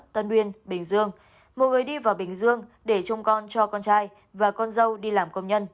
tân uyên bình dương một người đi vào bình dương để trông con cho con trai và con dâu đi làm công nhân